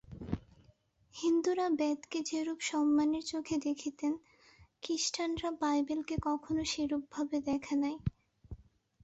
হিন্দুরা বেদকে যেরূপ সম্মানের চক্ষে দেখিতেন, খ্রীষ্টানরা বাইবেলকে কখনও সেরূপ ভাবে দেখে নাই।